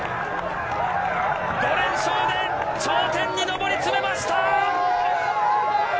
５連勝で頂点に上り詰めました。